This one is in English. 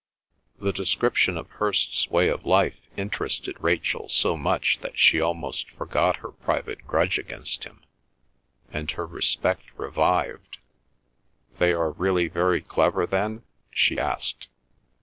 The description of Hirst's way of life interested Rachel so much that she almost forgot her private grudge against him, and her respect revived. "They are really very clever then?" she asked.